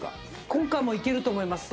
今回もいけると思います。